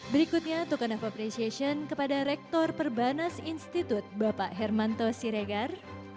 berikutnya token of appreciation kepada rektor perbanas institut bapak hermanto siregar